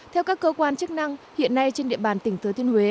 theo các cơ quan chức năng hiện nay trên địa bàn tỉnh thừa thiên huế